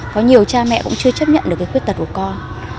có nhiều cha mẹ cũng chưa chấp nhận được cái khuyết tật của con